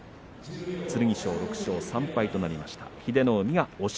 剣翔は６勝３敗となりました。